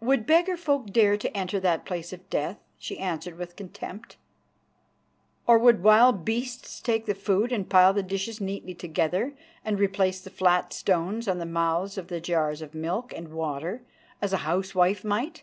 "Would beggar folk dare to enter that place of death?" she answered with contempt. "Or would wild beasts take the food and pile the dishes neatly together and replace the flat stones on the mouths of the jars of milk and water, as a housewife might?